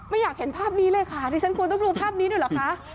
อยากเห็นภาพนี้เลยค่ะดิฉันควรต้องดูภาพนี้ด้วยเหรอคะ